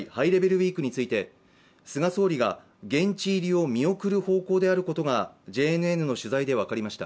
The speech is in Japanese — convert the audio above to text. ウィークについて菅総理が現地入りを見送る方向であることがＪＮＮの取材で分かりました。